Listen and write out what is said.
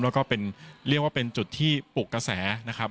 แล้วก็เป็นเรียกว่าเป็นจุดที่ปลุกกระแสนะครับ